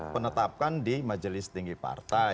penetapkan di majelis tinggi partai